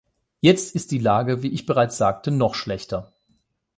Jetzt ist die Lage, wie ich bereits sagte, noch schlechter.